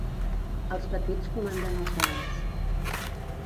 Els petits comanden els grans.